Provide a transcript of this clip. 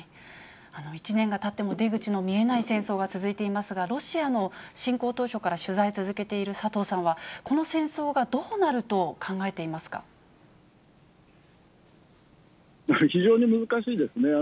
１年がたっても、出口が見えない戦争が続いていますが、ロシアの侵攻当初から取材を続けている佐藤さんは、この戦争がど非常に難しいですね。